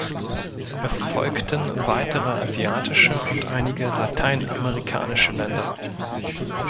Es folgten weitere asiatische und einige lateinamerikanische Länder.